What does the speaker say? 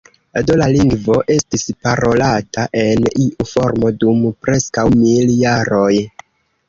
Do la lingvo estis parolata en iu formo dum preskaŭ mil jaroj.